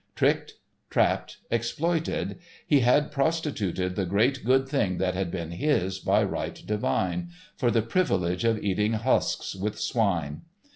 Tricked, trapped, exploited, he had prostituted the great good thing that had been his by right divine, for the privilege of eating husks with swine.